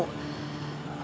dia gak mau